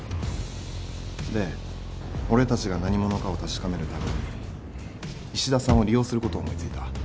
で俺たちが何者かを確かめるために石田さんを利用することを思い付いた。